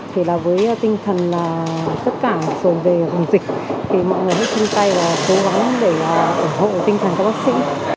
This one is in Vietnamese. thì là với tinh thần tất cả sồn về dịch thì mọi người hãy chung tay và cố gắng để ủng hộ tinh thần các bác sĩ